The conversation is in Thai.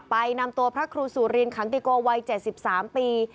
ไปนำตัวพระครูสุรินขันติโกวัย๗๓ปี